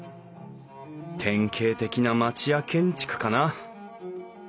典型的な町家建築かな